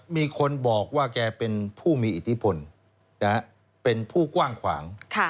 มีคนบอกว่าแกเป็นผู้มีอิทธิพลเป็นผู้กว้างขวาง